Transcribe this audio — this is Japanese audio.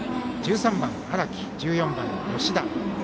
１３番、荒木、１４番、吉田。